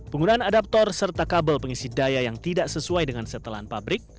penggunaan adapter serta kabel pengisi daya yang tidak sesuai dengan setelan pabrik